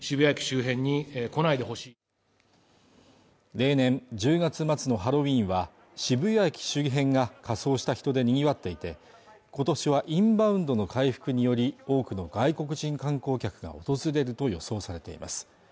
例年１０月末のハロウィーンは渋谷駅周辺が仮装した人でにぎわっていて今年はインバウンドの回復により多くの外国人観光客が訪れると予想されています